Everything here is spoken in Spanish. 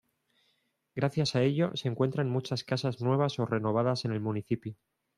Gracias a ello se encuentran muchas casas nuevas o renovadas en el municipio.